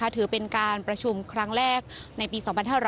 ถือเป็นการประชุมครั้งแรกในปี๒๕๕๙